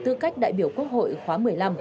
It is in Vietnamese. tư cách đại biểu quốc hội khóa một mươi năm